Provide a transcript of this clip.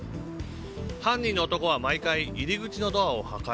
犯人の男は毎回、入り口のドアを破壊。